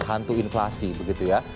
hantu inflasi begitu ya